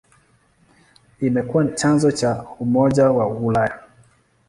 Imekuwa chanzo cha Umoja wa Ulaya.